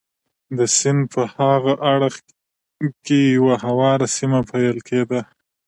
د سیند په هاغه اړخ کې یوه هواره سیمه پیل کېده.